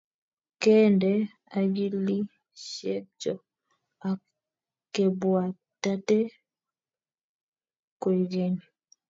Kende ogilisiekcho ak kebwatate koigeny